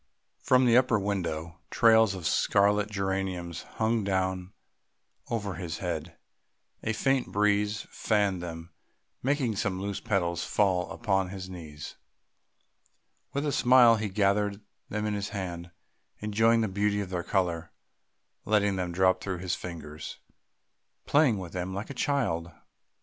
From the upper window trails of scarlet geraniums hung down over his head; a faint breeze fanned them, making some loose petals fall upon his knees. With a smile he gathered them in his hand, enjoying the beauty of their colour, letting them drop through his fingers, playing with them like a child.